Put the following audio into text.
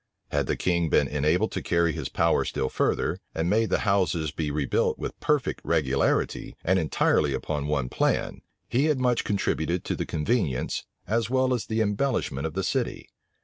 Had the king been enabled to carry his power still further, and made the houses be rebuilt with perfect regularity, and entirely upon one plan, he had much contributed to the convenience, as well as embellishment of the city.